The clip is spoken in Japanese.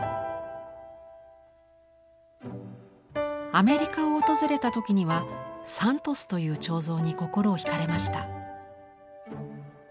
アメリカを訪れた時にはサントスという彫像に心を引かれました。